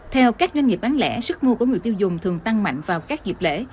theo các doanh nghiệp bán lẻ sức mua của người tiêu dùng thường tăng mạnh vào các dịp lễ